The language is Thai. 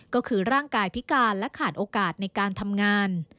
ก็คือร่างกายพิการและขาดโอกาสในการทำงาน